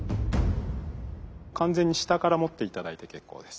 完全に下から持って頂いて結構です。